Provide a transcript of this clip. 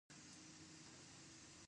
د نجونو تعلیم د کار بازار ته چمتو کوي.